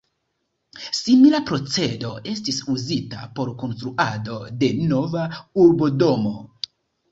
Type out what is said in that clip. Simila procedo estis uzita por konstruado de Nova urbodomo.